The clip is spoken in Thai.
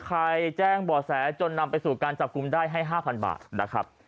แจ้งบ่อแสจนนำไปสู่การจับกลุ่มได้ให้๕๐๐บาทนะครับ